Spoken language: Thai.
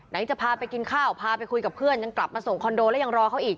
จะพาไปกินข้าวพาไปคุยกับเพื่อนยังกลับมาส่งคอนโดแล้วยังรอเขาอีก